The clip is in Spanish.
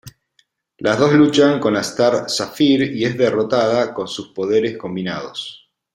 Las dos luchan con la Star Sapphire y es derrotada con sus poderes combinados.